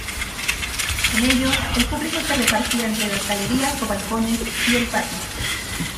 En ellos, el público se repartía entre las galerías o balcones y el patio.